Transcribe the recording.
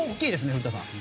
古田さん。